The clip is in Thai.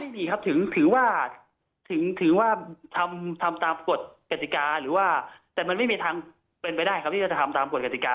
ไม่มีครับถือว่าถือว่าทำตามกฎกติกาหรือว่าแต่มันไม่มีทางเป็นไปได้ครับที่จะทำตามกฎกติกา